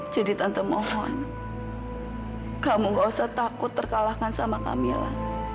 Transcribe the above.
jadi tante mohon kamu gak usah takut terkalahkan sama kamila